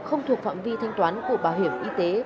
không thuộc phạm vi thanh toán của bảo hiểm y tế